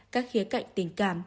các khía cạnh tình cảm